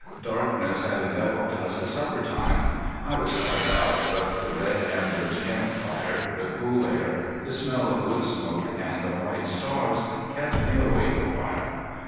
Darkness had enveloped us at supper time. I was tired out, but the red embered camp fire, the cool air, the smell of wood smoke, and the white stars kept me awake awhile.